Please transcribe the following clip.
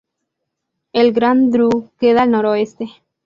El Grand Dru queda al noreste.